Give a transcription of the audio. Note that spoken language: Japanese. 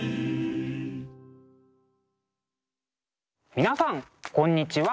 皆さんこんにちは。